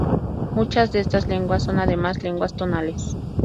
Muchas de estas lenguas son además lenguas tonales.